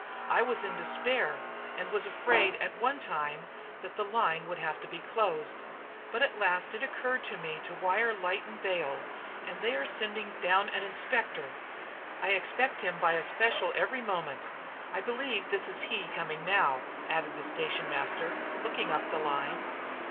I was quite in despair, and was afraid at one time that the line would have to be closed, but at last it occurred to me to wire to Lytton Vale, and they are sending down an inspector. I expect him by a special every moment. I believe this is he coming now," added the station master, looking up the line.